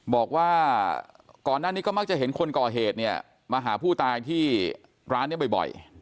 บอกว่าก่อนหน้านี้ก็มักจะเห็นคนก่อเหตุเนี่ยมาหาผู้ตายที่ร้านนี้บ่อย